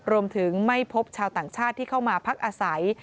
รวมถึงไม่พบชาวต่างชาติที่เข้ามาพักอาศัย